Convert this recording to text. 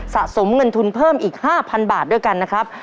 สะสมเงินทุนเพิ่มอีก๕๐๐บาทด้วยกันนะครับ